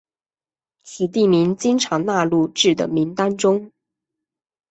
此地名经常纳入至的名单中。